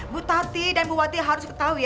bu tati dan bu wadir harus tahu ya